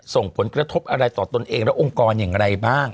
ส่งผลกระทบอะไรต่อตนเองและองค์กรอย่างไรบ้าง